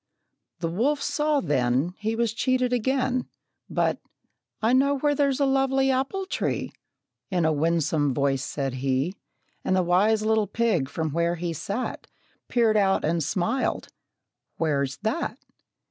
The wolf saw then He was cheated again; But, "I know where's a lovely apple tree," In a winsome voice said he. And the wise little pig, from where he sat, Peered out and smiled, "Where's that?"